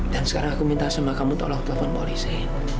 sekarang aku minta sama kamu tolong telepon polisi